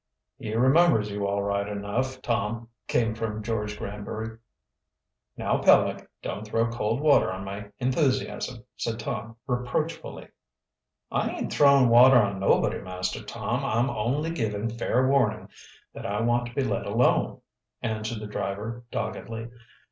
"He remembers you all right enough, Tom," came from George Granbury. "Now, Peleg, don't throw cold water on my enthusiasm," said Tom reproachfully. "I ain't throwin' water on nobody, Master Tom; I'm only giving fair warning that I want to be let alone," answered the driver doggedly.